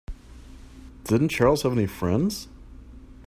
Didn't Charles have any friends?